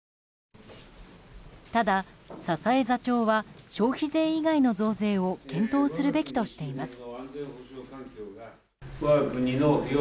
ただ、佐々江座長は消費税以外の増税を検討するべきとしています。